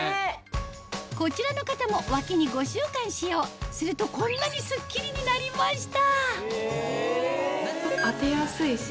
こちらの方も脇に５週間使用するとこんなにスッキリになりました